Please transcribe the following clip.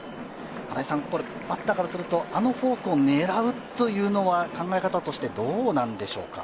バッターからするとあのフォークを狙うというのは考え方として、どうなんでしょうか？